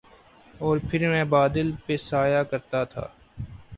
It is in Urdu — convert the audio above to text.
اور پھر میں بادل پہ سایہ کرتا تھا